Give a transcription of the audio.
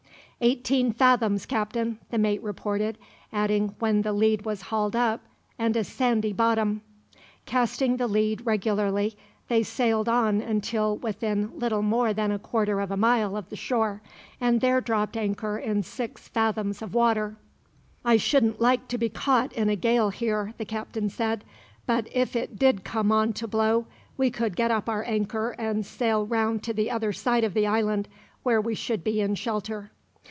"Eighteen fathoms, Captain," the mate reported, adding when the lead was hauled up, "and a sandy bottom." Casting the lead regularly, they sailed on until within little more than a quarter of a mile of the shore, and there dropped anchor in six fathoms of water. "I shouldn't like to be caught in a gale here," the captain said; "but if it did come on to blow, we could get up our anchor and sail round to the other side of the island, where we should be in shelter."